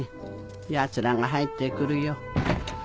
ヤツらが入って来るよ。